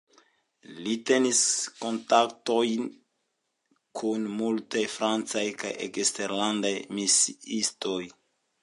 Li tenis kontaktojn kun multaj francaj kaj eksterlandaj kemiistoj.